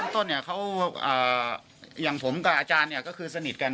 ต้นเนี่ยเขาอย่างผมกับอาจารย์ก็คือสนิทกัน